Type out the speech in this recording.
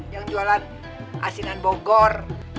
yang jualan asinan bogor